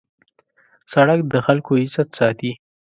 سړک د خلکو عزت ساتي.